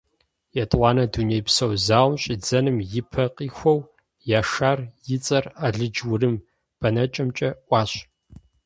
ЕтӀуанэ дунейпсо зауэм щӀидзэным и пэ къихуэу Яшар и цӀэр алыдж-урым бэнэкӀэмкӀэ Ӏуащ.